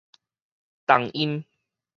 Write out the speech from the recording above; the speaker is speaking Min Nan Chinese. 重音